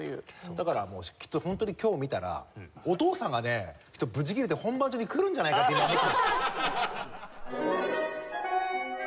だからきっとホントに今日見たらお父さんがねきっとブチ切れて本番中に来るんじゃないかって今思ってます。